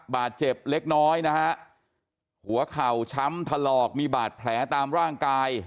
บาดเจ็บเล็กน้อยนะฮะหัวเข่าช้ำถลอกมีบาดแผลตามร่างกาย